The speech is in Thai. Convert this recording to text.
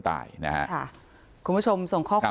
ฝ่ายกรเหตุ๗๖ฝ่ายมรณภาพกันแล้ว